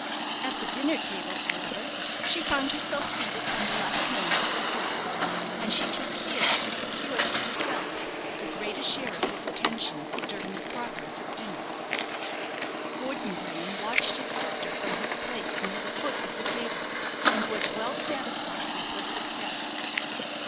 At the dinner table, however, she found herself seated on the left hand of her host; and she took care to secure to herself the greater share of his attention during the progress of dinner. Gordon Graham watched his sister from his place near the foot of the table, and was well satisfied with her success.